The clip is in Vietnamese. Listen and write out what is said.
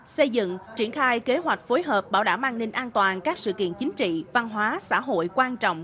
xây dựng triển khai kế hoạch phối hợp bảo đảm an ninh an toàn các sự kiện chính trị văn hóa xã hội quan trọng